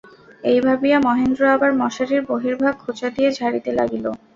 এই ভাবিয়া মহেন্দ্র আবার মশারির বহির্ভাগ কোঁচা দিয়া ঝাড়িতে লাগিল।